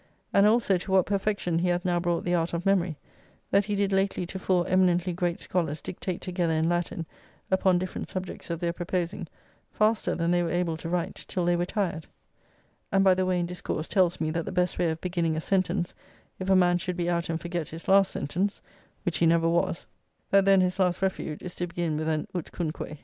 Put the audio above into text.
And also to what perfection he hath now brought the art of memory; that he did lately to four eminently great scholars dictate together in Latin, upon different subjects of their proposing, faster than they were able to write, till they were tired; and by the way in discourse tells me that the best way of beginning a sentence, if a man should be out and forget his last sentence (which he never was), that then his last refuge is to begin with an Utcunque.